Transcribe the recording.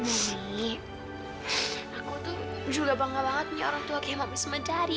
mami aku tuh juga bangga banget punya orang tua kayak mami semedari